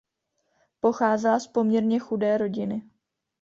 Pocházela z poměrně chudé rodiny.